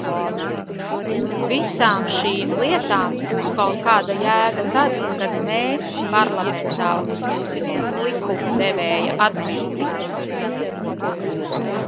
Visām šīm lietām būs kaut kāda jēga tad, kad mēs Parlamentā uzņemsimies likumdevēja atbildību.